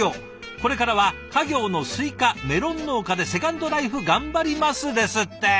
これからは家業のスイカメロン農家でセカンドライフ頑張ります」ですって。